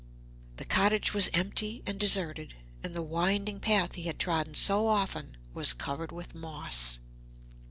The cottage was empty and deserted, and the winding path he had trodden so often was covered with moss.